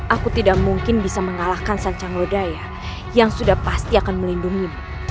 aku tidak mungkin bisa mengalahkan sang canglodaya yang sudah pasti akan melindungimu